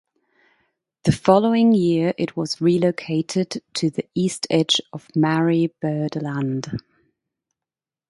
The following year it was relocated to the east edge of Marie Byrd Land.